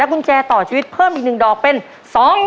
กุญแจต่อชีวิตเพิ่มอีก๑ดอกเป็น๒๐๐๐